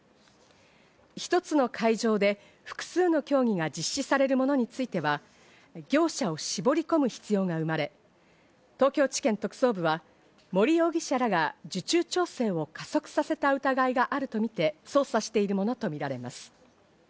１つの会場で複数の競技が実施されるものについては、業者を絞り込む必要が生まれ、東京地検特捜部は森容疑者らが受注調整を加速させた疑いがあるとみて、捜査しているものとみられます。